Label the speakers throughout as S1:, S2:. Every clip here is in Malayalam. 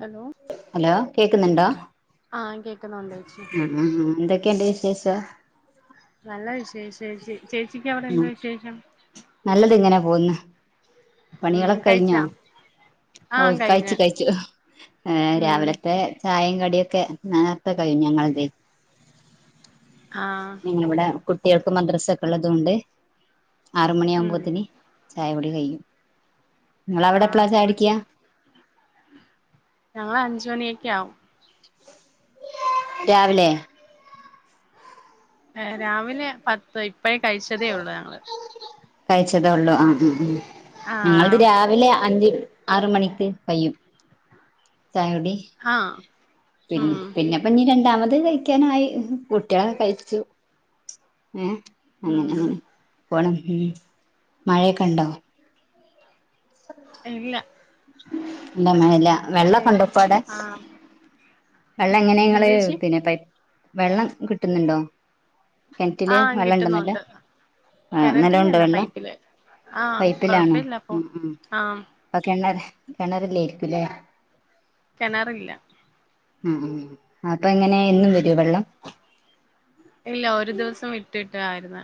S1: ഹലോ
S2: ഹലോ കേക്കുന്നുണ്ടോ
S1: ആഹ് കേക്കുന്നുണ്ട് ചേച്ചി
S2: ഉം ഉം എന്തൊക്കെയുണ്ട് വിശേഷം
S1: നല്ല വിശേഷം ചേച്ചിക്ക് അവിടെ
S2: ഉം
S1: എന്താ വിശേഷം
S2: നല്ലത് ഇങ്ങനെ പോകന്ന്
S1: ഉം
S2: പണികളൊക്ക കഴിഞ്ഞോ?
S1: കഴിച്ചാ
S2: ഓ
S1: ആഹ്
S2: കഴിച്ചു
S1: കഴിഞ്ഞ്
S2: കഴിച്ചു ഏഹ്
S1: ഉം
S2: രാവിലത്തെ ചായയും കടിയൊക്കെ നേർത്തെ കഴിയും ഞങ്ങൾതെ
S1: ആഹ്
S2: ഇവിടെ കുട്ടിയൾക്ക് മദ്രസ്സ ഒക്കെ ഉള്ളത്തൊണ്ട് ആറുമണി
S1: ഉം
S2: ആകുമ്പോത്തിന് ചായുടി കയ്യും
S1: ആഹ് ഉച്ചയ് ഞങ്ങള് അഞ്ചുമണിയൊക്കെ ആവും
S2: രാവിലെ
S1: രാവിലെ പത്ത് ഇപ്പഴേ കഴിച്ചതേ ഉള്ളൂ ഞങ്ങള്
S2: കഴിച്ചതേ ഉള്ളൂ ആ നങ്ങളത്
S1: ആഹ്
S2: രാവിലെ അഞ്ച് ആറ്മണിക്ക് കയ്യും ചായുടി
S1: ആഹ് ഉം
S2: പിന്നെ ഇഞ് രണ്ടാമത് കഴിക്കാനായി കുട്ടികളെ കഴിച്ചു ഏഹ് അങ്ങനെ
S1: ഉം
S2: അങ്ങനെ പോണ് മഴയൊക്കെ ഇണ്ടോ?
S1: ഇല്ല
S2: ഇല്ല മഴല്ല വെള്ള കണ്ട ഇപ്പ അടെ
S1: ആഹ്
S2: വെള്ളം
S1: എന്ത്
S2: എങ്ങനെങ്ങള്
S1: ചേച്ചി
S2: പിന്നെ പൈ വെള്ളം കിട്ടുന്നുണ്ടോ? കിണറ്റില്
S1: ആഹ്
S2: വെള്ളം ഇണ്ടന്നട്ട്
S1: കിട്ടുന്നുണ്ട്
S2: ആ നല്ലോണ്ടോ
S1: കിണറ്റിലല്ല
S2: വെള്ളം
S1: പൈപ്പില് ആഹ്
S2: പൈപ്പിലാണോ?
S1: കൊഴപ്പില്ല ഇപ്പൊ ആഹ്
S2: അപ്പൊ കിണർ കിറില്യേക്കുംലെ
S1: കേണറില്ല
S2: ഉം അപ്പൊ എങ്ങനെ എന്നും
S1: ഉം
S2: വരോ വെള്ളം?
S1: ഇല്ല ഒരു ദിവസം വിട്ടിട്ടായിര്ന്ന്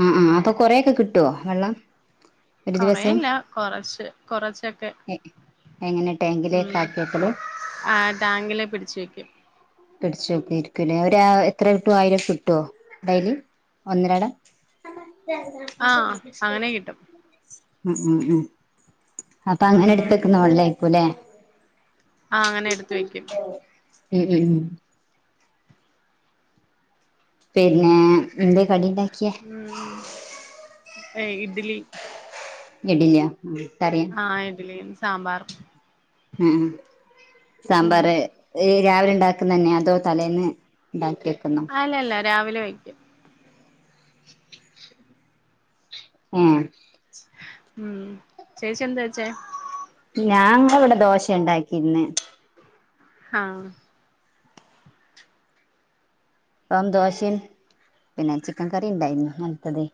S2: ആ ആ അപ്പൊ കൊറേയൊക്കെ കിട്ട്യോ വെള്ളം? ഒരു ദിവസം
S1: കൊറേല്ല കൊറച്ച് കൊറച്ചൊക്കെ
S2: എ എങ്ങനെ
S1: ഉം
S2: ടാങ്കിലേക്ക് ആക്കിയെക്കല്
S1: ആ ടാങ്കില് പിടിച്ചേക്കും
S2: പിടിച്ചു വയ്ക്കുയിരിക്കും അല്ലേ ഒ എത്രട്ടു ആയിരം കിട്ടുവോ ഡെലി ഒന്നരാടാം [unintelligible]
S1: ആഹ് അങ്ങനെ കിട്ടും
S2: മം മം മം അപ്പൊ അങ്ങനെ
S1: ഉം
S2: ഇട്ത്തക്കുന്ന വെള്ളെക്കുലെ?
S1: ആ അങ്ങനെ എടുത്ത് വെക്കും
S2: മം മം പിന്നെ എന്ത്യേ കടിണ്ടാകിയെ
S1: ഉ ഏഹ് ഇഡ്ലി.
S2: ഇഡില്യ മ് കറി.
S1: ആഹ് ഇഡ്ലിയും സാമ്പാറും.
S2: ഉം
S1: ഉം
S2: സാമ്പാർ. ഏഹ് രാവിലെ ഇണ്ടാക്ക്ന്നെയ അതോ തലേന്ന് ഇണ്ടാക്കി വെക്കുന്നൊ.
S1: അല്ല അല്ല രാവിലെ വയ്ക്കും.
S2: ഏഹ്.
S1: ഉം ചേച്ചി എന്താവച്ചേ.
S2: ഞ്ഞാങ്ങളിവിടെ ദോശ ഇണ്ടാക്കി ഇന്ന്
S1: ആഹ്.
S2: ഇപ്പം ദോശേം പിന്നെ ചിക്കൻ കറി ഇണ്ടായിന്നു ഇന്നൽത്തത്.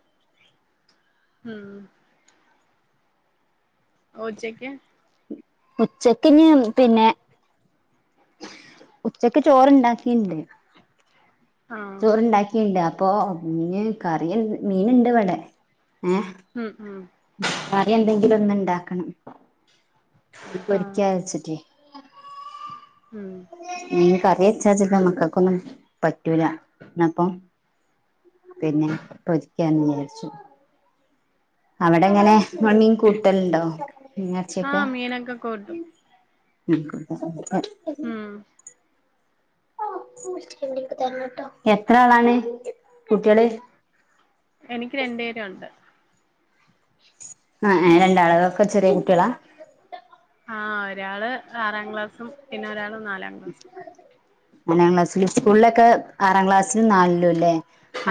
S1: മ് ഉച്ചയ്ക്ക്
S2: ഉച്ചക്കിനി പിന്നെ.
S1: [unintelligible]
S2: ഉച്ചക്ക് ചോറുണ്ടാക്കിണ്ട്
S1: ആഹ്
S2: ചോറുണ്ടാക്കി. ക്കിണ്ട് അപ്പൊ പിന്നെ കറിയ മീൻണ്ട് ഇവിടെ ഏഹ.
S1: ഉം ഉം.
S2: കറിയെന്തെങ്കിലൊന്ന്ണ്ടാക്കണം
S1: ആഹ്
S2: പൊരിക്കാ വെച്ചിട്ടേ.
S1: ഉം.
S2: മീൻ കറി വച്ചാൽ ചിലപ്പോ മക്കൾക്ക് ഒന്നും പറ്റൂല എന്നപ്പം പിന്നെ പൊരിക്കാന്ന് വിചാരിച്ചു. അവിടെ എങ്ങനെ മീൻ കൂട്ടലുണ്ടോ മീനും ഇറച്ചിയും ഒക്കെ
S1: ആഹ് മീനൊക്കെ കൂട്ടും
S2: [unintelligible]
S1: ഉം.
S2: [unintelligible] എത്ര ആളാണ് കുട്ട്യേള്.
S1: എനിക്ക് രണ്ടേരുണ്ട്.
S2: എഹ് ആ രണ്ടാൾ ഒക്കെ ചെറിയ കുട്ട്യേളാ.
S1: ആഹ ഒരാള് ആറാം ക്ലാസ്സും പിന്നെ ഒരാൾ നാലാം. ക്ലാസ്
S2: നാലാം ക്ലാസ്സില് സ്കൂളിലൊക്കെ ആറാം ക്ലാസ്സിലും നാലിലുല്ലേ.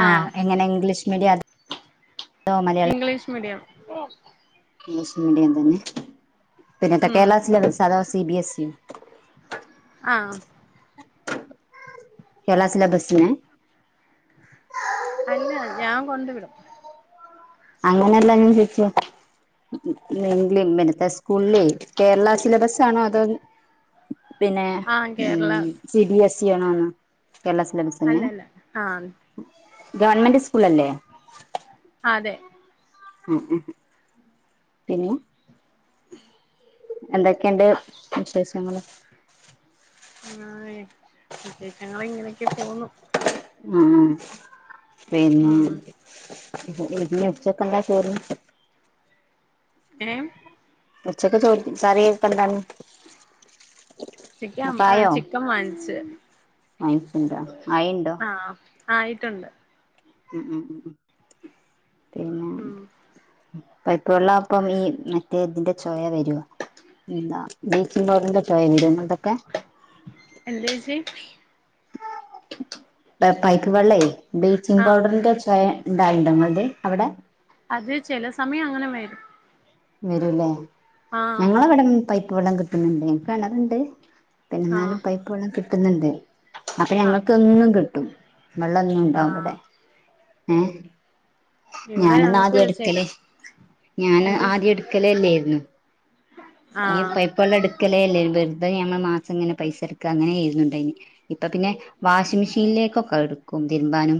S2: ആഹ് എങ്ങനെ English media.
S1: English medium.
S2: English മീഡിയതന്നെ പിന്നെത്തെ
S1: ഉം
S2: കേരള സിലമ്പസ അതോ സി ബി എസ് യൊ.
S1: ആഹ്.
S2: കേരള സിലബസ്നെ.
S1: അല്ല ഞാൻ കൊണ്ട്‌വിടും.
S2: അങ്ങനെല്ലാ ഞാൻ ചോയിച്ചേ. ങ്ക പിനെ ഇപ്പൊ സ്കൂളിലെ കേരള സിലബസാണോ അതോ. പിന്നെ
S1: ആഹ് കേരള
S2: ഉം സി ബി എസ്ഇി ആണോ എന്ന് കേരള സിലബസന്നെ
S1: അല്ലല്ല ആഹ്
S2: ഗവൺമെന്റ് സ്കൂളല്ലേ.
S1: ആ അതെ.
S2: ഉം ഉം പിന്നെ. എന്തൊക്കെയനണ്ട്‌ വിശേഷങ്ങള്.
S1: ആ വിശേഷങ്ങളിങ്ങനെയൊക്കെ പോവുന്നു.
S2: ആഹ്‌ പിന്നെ
S1: ഉം
S2: ഇ ഉച്ചക്കെന്താ ചോറിന്.
S1: ഏഹ്.
S2: ഉച്ചക്ക് ചോറിന് കറി ഇപ്പെന്താണ്.
S1: ഉച്ചയ്ക്ക്
S2: ആയോ
S1: ചിക്കൻ വാങ്ങിച്
S2: വാങ്ങിച്ചിണ്ടോ ആയിണ്ടോ
S1: ആഹ. ആയിട്ടുണ്ട്.
S2: ഉം ഉം പിന്നെ.
S1: ഉം
S2: പൈപ്പള്ളപ്പം ഈ മറ്റേ തിന്റെ ചോയ വരോ എന്താ, ബ്ലീച്ചിംഗ് പൗഡറിന്റെ ചോയ വരുങ്ങട്ടൊക്കെ.
S1: എന്തെച്ചി.
S2: പ പൈപ്പ് വെള്ളേ ബ്ലീച്ചിംഗ്
S1: ആഹ്
S2: പൗഡറിന്റെ ചെ ചേയ ണ്ടാവല്ണ്ടാ, ങ്ങൾത് അവിടെ
S1: അത് ചെല സമയങ്ങനെവെരും.
S2: വരൂല്ലെ.
S1: ആഹ്
S2: ഞങ്ങളവടെ പൈപ്പ് വെള്ളം കിട്ട്ണ് ണ്ട് ൻക്കെണറ്ണ്ട്. എന്നാലും
S1: ആഹ്
S2: പൈപ്പ് വെള്ളം കിട്ടുന്നുണ്ട് അപ്പ
S1: ആഹ്
S2: ഞങ്ങക്കെന്നും കിട്ടും വെള്ളെന്നുണ്ടാവും ഇവിടെ
S1: ആഹ്
S2: ഏ.
S1: ഇവിടെ ഞങ്ങക്ക്
S2: ഞാനെന്നാദ്യ എട്ക്കല്
S1: ചില
S2: ഞാന്
S1: എന്ത്
S2: ആദ്യം എടുക്കലെ അല്ലോയ്ന്നു. ഈ
S1: ആഹ്
S2: പൈപ്പള്ളം എടുക്കലെ ല്ലേയ്ന്നു വെർതെ ഞമ്മള് മാസം ഇങ്ങനെ പൈസ എട്ക്കാ അങ്ങനെയ്ന്നുണ്ടായിന്ന്. ഇപ്പ പിന്നെ വാഷിമിഷീൻലേക്കൊക്കെ ഇട്ക്കും തിരുമ്പാനും.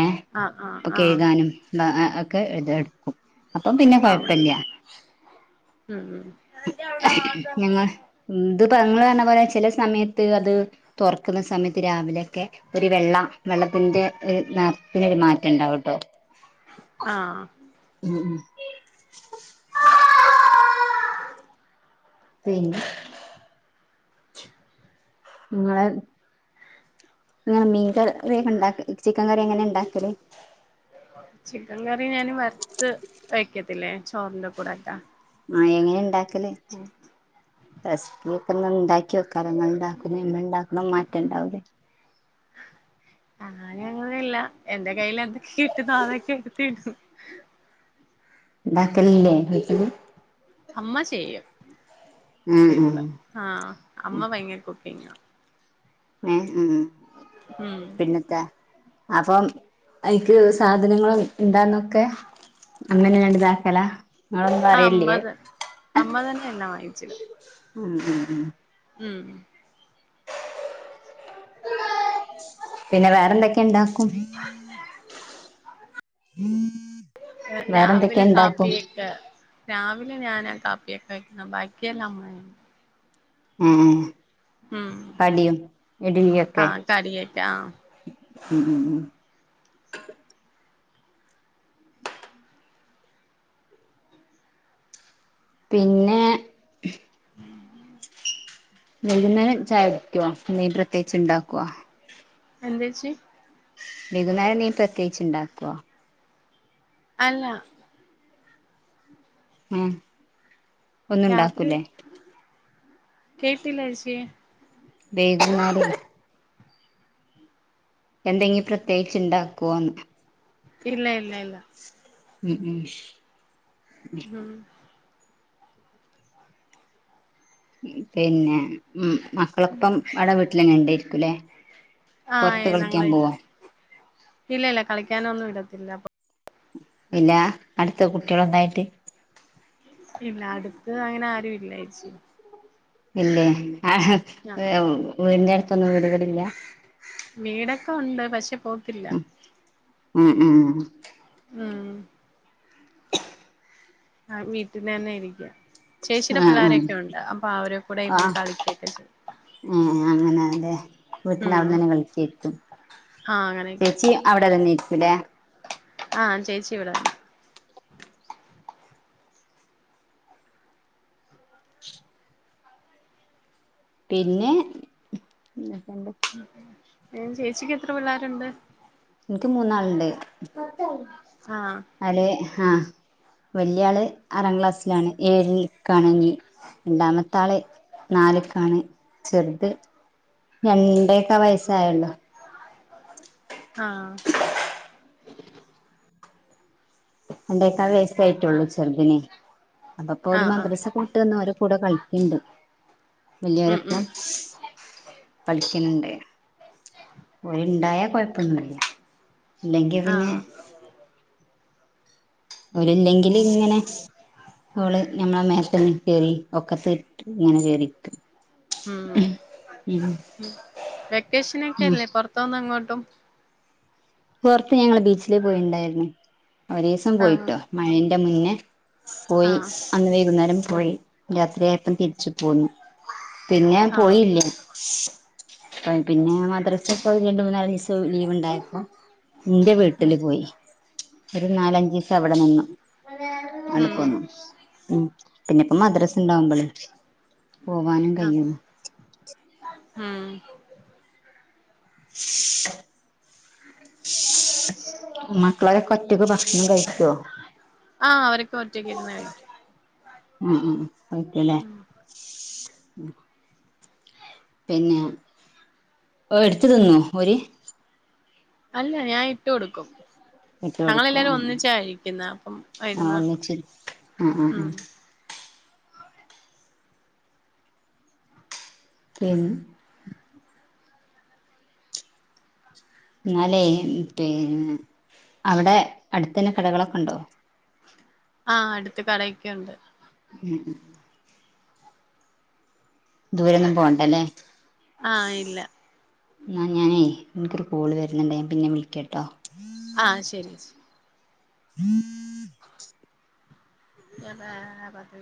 S2: ഏഹ്
S1: ആഹ് ആഹ്
S2: പ്പ
S1: ആഹ്
S2: കെഴുകാനും ഒക്കെ ഇത് എടുക്കും. അപ്പൊ പിന്നെ
S1: ആഹ്
S2: കൊഴപ്പില്ലൃ.
S1: ഉം ഉം
S2: ഹയ് ഞങ്ങൾ. ന്ത് പെങ്ങള് പറഞ്ഞ പോലെ, ചില സമയത്ത് അത് തോർക്കുന്ന സമയത്ത് രാവിലെ. ഒരു വെള്ള വെള്ളത്തിന്റെ ഒരു നറത്തിനെര് മാറ്റണ്ടാവുട്ടേ.
S1: ആഹ് ആഹ്
S2: ഉം ഉം പിന്നെ
S1: [inaudible]
S2: ങ്ങളെ ങ്ങനെ മീൻ കറിയൊക്കെ ണ്ടാക്ക ചിക്കൻകറിയെക്കെങ്ങനെ ണ്ടാക്കല്.
S1: ചിക്കൻ കറി ഞാൻ വർത്ത് വയ്ക്കത്തില്ലേ, ചോർന്റെ കൂടെക്കെ.
S2: ആ എങ്ങനെ ണ്ടാക്കല്. റെസിപ്പിയെക്കെ ണ്ടാക്കി വെക്കാലോന്നാല്. ഉണ്ടാക്ക്ണം ഇമ്മണ്ടാക്ക്ണം മാറ്റണ്ടാവുലെ.
S1: ആ ഞങ്ങനല്ല എന്റെ കയ്യിലെന്തൊക്കെ കിട്ടുന്നു അതൊക്കെ എടുത്തു യൂസെയ്യും.
S2: ഉണ്ടാക്കാൻ ഇലെ വീട്ടിലെ
S1: അമ്മ ചെയ്യും
S2: ആഹ്
S1: വീട്ട്ല്.
S2: ആഹ്
S1: ആഹ് അമ്മ ഭയങ്കരെ കുക്കിങ്ങാ.
S2: ഉം ഉം.
S1: ഉം
S2: അപ്പം അയ്ക്ക് സാധനങ്ങളും ണ്ടായിരുന്നൊക്കെ. അമ്മെനെണ്ട് താക്കലാ നിങ്ങളൊന്നും
S1: ആഹ് അമ്മ
S2: അറിയല്ല്യേ
S1: ത അമ്മ തെന്നാ എണ്ണ വാങ്ങിച്ചെരാ.
S2: ഉം ഉം ഉം
S1: ഉം [unintelligible]
S2: പിന്നെ വേറെന്തൊക്കെ ണ്ടാക്കും.
S1: ഏഹ്
S2: വേറെന്തൊക്കെ
S1: രാവിലെ
S2: ഇണ്ടാക്കും
S1: കാപ്പിയിട്ട്. രാവിലെ ഞാനാ തപ്പിയൊക്കെ വെക്കുന്നെ. ബാക്കിയെല്ലാം അമ്മയാണ്.
S2: ഉം,
S1: ഉം
S2: കടിയും, ഇഡ്ലിയെക്കെ.
S1: ആഹ് കറിയൊക്കെ ആഹ്
S2: ഉം ഉം ഉം പിന്നെ.
S1: അതെ
S2: വൈകുന്നേരം ചായക്കുടിക്കേ, എന്തെലും പ്രത്യേകിച്ച് ണ്ടാക്കേ?
S1: എന്തെച്ചി.
S2: വകുന്നേരം എന്തീം പ്രത്യേകിച്ച് ണ്ടാക്ക്വാ
S1: അല്ലാ.
S2: ഉം ഒന്നും
S1: രാത്രി
S2: ഇണ്ടാക്കൂലേ
S1: കേട്ടില്ല ഏച്ചി യെ..
S2: വേകനാടും. എന്തെങ്കിലും പ്രത്യേകിച്ച് ഉണ്ടാക്കുമോന്ന്
S1: ഇല്ല ഇല്ല ഇല്ല
S2: ഉം
S1: ഉം
S2: പിന്നെ മ മക്കളപ്പം അവിടെ വീട്ടിലന്നെ ഉണ്ടായിരിക്കൂല്ലേ
S1: ആഹ യ് ങ്ങള ഇല്ലല്ല കളിക്കാനൊന്നും ഇടത്തില്ല അപ്പൊ
S2: പിന്നെ അടുത്ത കുട്ടികളൊക്കെന്നായിട്ട്
S1: ഇല്ല അടുത്ത് അങ്ങനെ ആരും ഇല്ലാ ചേച്ചി
S2: ഇല്ലേ
S1: അതെ
S2: വീടിന്റെ അടുത്തൊന്നും വീടുകളില്ല
S1: വീടൊക്കെ ഉണ്ട് പക്ഷെ പോക്കില്ല
S2: ഉം ഉം
S1: ഉം ആഹ് വീട്ടിലന്നെ ഇരിക്കും ചേച്ചിടെ
S2: ആഹ്
S1: പിള്ളോരൊക്കെ ഉണ്ട് അപ്പൊ അവരെ കൂടെ
S2: ആഹ്
S1: ഇരുന്ന് കളിക്കുകയക്കെ ചെയ്യും
S2: ആഹ് അങ്ങനെ അതെ വീട്ടന്റെ അവിടെന്ന
S1: ഉം
S2: തന്നെ കളിച്ചക്കും
S1: ആഹ് അങ്ങനെ
S2: ചേച്ചി അവിടെ തന്നെ ഇരികുലേ
S1: ആഹ് ചേച്ചി ഇവിടെ
S2: പിന്നെ എന്തൊക്കണ്ട്
S1: [unintelligible] ൻ ചേച്ചിക്ക് എത്ര പിള്ളേരുണ്ട്
S2: എനിക്ക് മൂന്നാളുണ്ട്
S1: ആഹ്
S2: ആള് ആഹ് വലിയ ആള് ആറാം ക്ലാസ്സിലാണ് ഏഴിൽ കണങ്ങി രണ്ടാമത്തെ ത്താള് നാല്ക്കാണ് ചെറ്ത് രണ്ടേകാ വയസ്സായുള്ളു
S1: ആ
S2: രണ്ടേകാൽ വയസ്സ് പ്പായിട്ടുള്ളു ചെറ്തിന് അപ്പപ്പൊല്
S1: ആഹ് ആഹ്
S2: മദ്രസ പ്പ വിട്ട് വെന്ന് ഓലെ കൂടെ കളിക്ക്‌ണ്ട്
S1: ഉം ഉം
S2: വെല്യോരൊപ്പം കളിക്ക്‌ണ് ണ്ട് ഓല് ണ്ടായാ കൊയപ്പൊന്നുല്ല ഇല്ലെങ്കി പിന്നെ
S1: ആഹ്
S2: ഓരില്ലെങ്കിലിങ്ങനെ ഓള് ഞമ്മളെ മേത്തെന്നെ കേറി ഒക്കത്ത് ങ്ങനെ കേറി ഇരിക്കും ഉം ഉം
S1: വെക്കേഷനൊക്കല്ലേ പൊർത്തുന്നെങ്ങോട്ടും
S2: പൊർത്ത് ഞങ്ങള് ബീച്ചില് പോയിണ്ടായിര്ന്ന് ഒരീസം
S1: ആഹ്
S2: പോയിട്ടോ മഴന്റെ മുന്നേ പോയി
S1: ആഹ്
S2: അന്ന് വൈകുന്നേരം പോയി രാത്രിയായപ്പം തിരിച്ച് പോന്നു പിന്നെ ഞാൻ
S1: ആഹ്
S2: പോയില്ല പ്പ പിന്നെ മദ്രസ പ്പം രണ്ടു മൂന്നാലിസം ലീവ്ണ്ടായിര്ന്നു ന്റെ വീട്ടില് പോയി ഒരു നാലഞ്ചിസം അവിടെ നിന്നു ന്ന്ട്ട്
S1: ഉം
S2: പോന്നു ഉം പിന്നെ ഇപ്പോ മദ്രസ് ണ്ടാവുമ്പളെ പോവാനും
S1: ആഹ്
S2: കയ്യു
S1: ഉം
S2: [inaudible] മക്കളോരൊക്കൊറ്റക്ക് ഭക്ഷണം കഴിക്കൊ
S1: ആ ഓരൊക്കെ ഒറ്റക്കിര്ന്ന് കഴിക്കും
S2: ഉം ഉം കഴിക്കുല്ലേ
S1: ഉം
S2: പിന്നെ എട്ത്ത് തിന്നോ ഓര്
S1: അല്ല ഞാൻ ഇട്ട് കൊടുക്കും
S2: ഇട്ട് കൊടുക്കും
S1: ഞങ്ങളെല്ലാരും ഒന്നിച്ച കഴിക്കുന്നെ അപ്പം
S2: ആ
S1: ഇര്ന്ന്
S2: ഒന്നിച്ച് ആ ആ
S1: ഉം
S2: ആ പിം ന്നാലേ പിന്നെ അവടെ അടുത്തെന്നെ കടാളൊക്കെണ്ടോ
S1: ആ അടുത്ത് കടയൊക്കെണ്ട്
S2: ആ ആ ദൂരൊന്നും പോണ്ടലെ
S1: ആ ഇല്ല
S2: ന്നാ ഞാനേ ഇൻക്കൊരു കോള് വെര്ന്ന്ണ്ട് ഞാൻ പിന്നെ വിളിക്ക ട്ടോ
S1: ആ ശെരി ശെ
S2: [inaudible]
S1: [unintelligible]